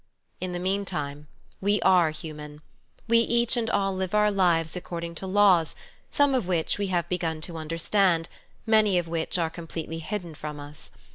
In the meantime, we are h\iman. We each and all live our lives according to laws, some of which we have begun to understand, many of which arc completely hidden from us.